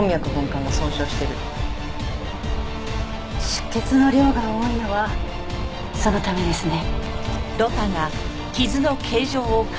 出血の量が多いのはそのためですね。